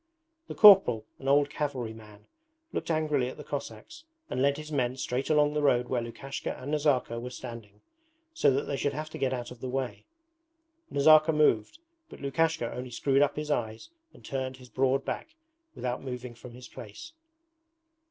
The corporal, an old cavalry man, looked angrily at the Cossacks and led his men straight along the road where Lukashka and Nazarka were standing, so that they should have to get out of the way. Nazarka moved, but Lukashka only screwed up his eyes and turned his broad back without moving from his place.